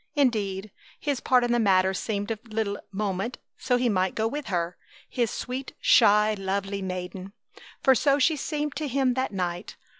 Indeed, his part in the matter seemed of little moment so he might go with her his sweet, shy, lovely maiden! For so she seemed to him that night!